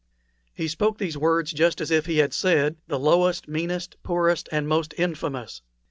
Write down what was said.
He spoke these words just as if he had said, "the lowest, meanest, poorest, and most infamous."